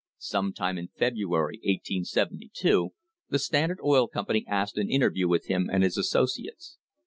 Some time in February, 1872, the Standard Oil Company asked an interview with him and his associates.